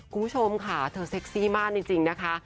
คุณผู้ชมค่ะเธอเซ็กซี่มากจริงนะคะ